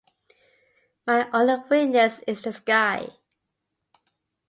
My only witness is the sky